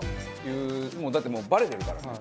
言うだってもうバレてるからね